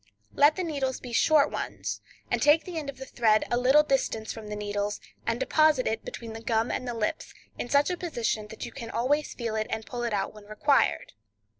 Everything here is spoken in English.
Let the needles be short ones, and take the end of the thread a little distance from the needles, and deposit it between the gum and the lips in such a position that you can always feel it and pull it out when required.